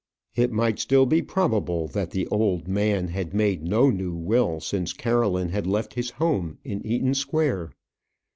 It might still be probable that the old man had made no new will since Caroline had left his home in Eaton Square.